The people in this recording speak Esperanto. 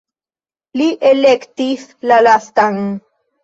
Li elektis la lastan.